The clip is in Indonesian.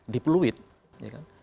di pluit ya kan